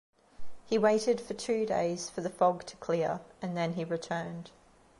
He waited for two days for the fog to clear and then he returned.